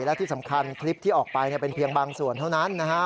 และที่สำคัญคลิปที่ออกไปเป็นเพียงบางส่วนเท่านั้นนะฮะ